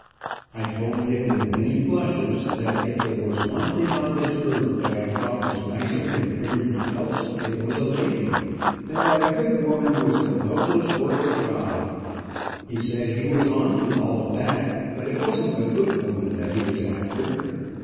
I told him, with many blushes, that if there was one thing on this earth that I thought was nicer than everything else, it was a lady, and that a good woman was the noblest work of God. He said he was on to all of that, but it wasn't a good woman that he was after.